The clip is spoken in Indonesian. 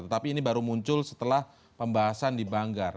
tetapi ini baru muncul setelah pembahasan di banggar